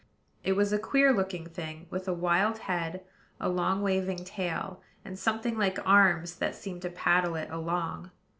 It was a queer looking thing, with a wild head, a long waving tail, and something like arms that seemed to paddle it along.